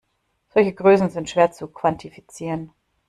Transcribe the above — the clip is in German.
Solche Größen sind schwer zu quantifizieren.